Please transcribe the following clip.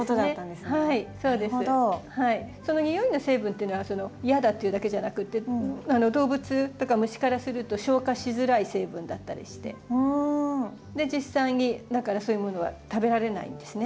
その匂いの成分っていうのは「嫌だ」っていうだけじゃなくて動物とか虫からすると消化しづらい成分だったりして実際にだからそういうものは食べられないんですね